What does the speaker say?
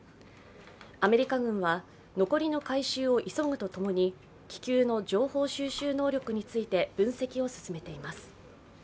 アメリカ軍は、残りの回収を急ぐとともに気球の情報収集能力について分析を進めています。